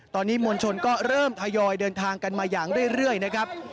ตอนนี้มวลชนก็เริ่มทยอยเดินทางกันมาอย่างเรื่อยนะครับ